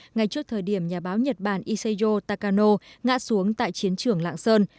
ngay trước thời điểm nhà báo nhật bản isayu takano ngã xuống tại chiến trường lạng sơn